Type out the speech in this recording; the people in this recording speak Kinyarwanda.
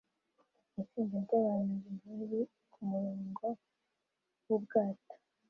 Itsinda ryabantu birori kumurongo wubwato